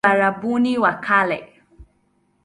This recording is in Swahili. Uarabuni wa Kale